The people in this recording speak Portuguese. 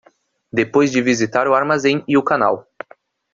Depois de visitar o armazém e o canal